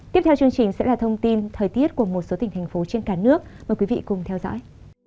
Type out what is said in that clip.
tiếp theo chương trình sẽ là thông tin thời tiết của một số tỉnh thành phố trên cả nước mời quý vị cùng theo dõi